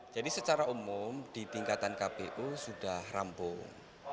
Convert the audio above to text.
jadi secara umum di tingkatan kpu sudah rampung